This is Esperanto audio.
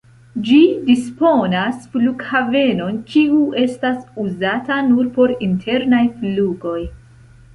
Ĝi disponas flughavenon, kiu estas uzata nur por internaj flugoj.